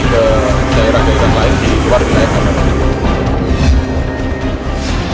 ke daerah daerah lain di luar wilayah kabupaten